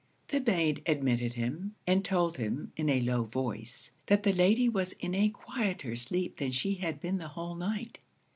The maid admitted him, and told him, in a low voice, that the Lady was in a quieter sleep than she had been the whole night.